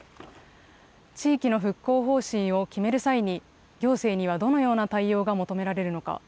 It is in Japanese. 地域の復興方針を決める際に、行政にはどのような対応が求められるのか。